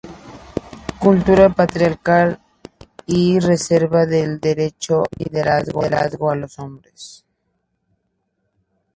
Cultura patriarcal y reserva el derecho al liderazgo a los hombres.